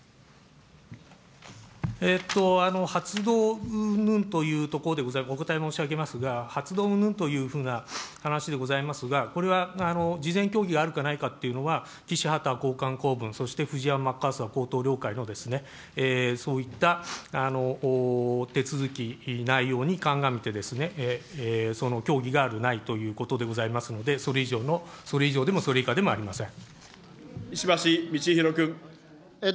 発動うんぬんというところでございますが、お答え申し上げますが、発動うんぬんというふうな話でございますが、これは事前協議があるかないかっていうのは、岸・ハーター交換公文、そしてふじやま・マッカーサー両高官のそういった手続き、内容に鑑みてその協議があるないということでございますので、それ以上の、それ以上でもそれ以下でもありません。